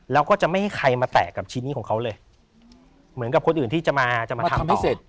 แล้วก็จะไม่ให้ใครมาแตะกับชิ้นนี้ของเขาเลยเหมือนกับคนอื่นที่จะมาจะมาทำให้เสร็จ